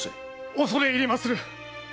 おそれ入りまする。